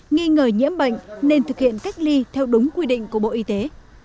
nghi ngờ nhiễm bệnh nên thực hiện cách ly theo đúng quy định của bộ y tế